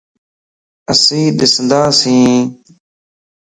اسين ڏسنداسين